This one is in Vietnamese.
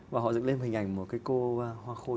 và họ dựng lên hình ảnh một cái cô hoa khôi